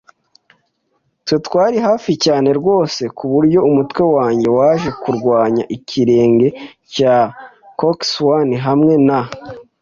twe. Twari hafi cyane rwose, kuburyo umutwe wanjye waje kurwanya ikirenge cya coxswain hamwe na